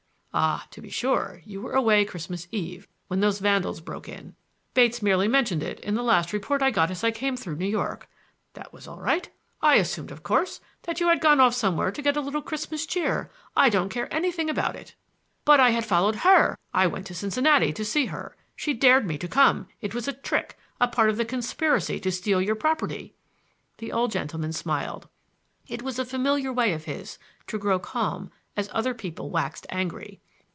"Ah, to be sure! You were away Christmas Eve, when those vandals broke in. Bates merely mentioned it in the last report I got as I came through New York. That was all right. I assumed, of course, that you had gone off somewhere to get a little Christmas cheer; I don't care anything about it." "But I had followed her—I went to Cincinnati to see her. She dared me to come—it was a trick, a part of the conspiracy to steal your property." The old gentleman smiled. It was a familiar way of his, to grow calm as other people waxed angry.